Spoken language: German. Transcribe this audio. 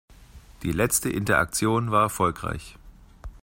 Die letzte Interaktion war erfolgreich.